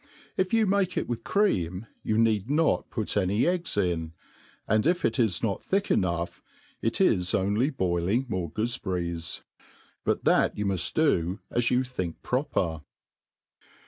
If you make it with cream, you need not put any eggs in ; and if it is not thick enough, it is only boiling more goofe« berries. But that you muft do as you think proper.